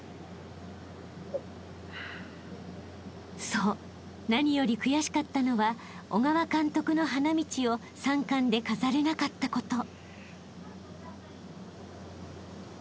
［そう何より悔しかったのは小川監督の花道を三冠で飾れなかったこと］